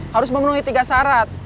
harus memenuhi tiga syarat